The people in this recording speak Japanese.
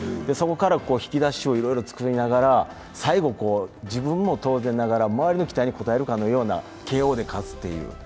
そこから引き出しをいろいろ使いながら、最後、自分も当然ながら周りの期待に応えるかのようなＫＯで勝つという。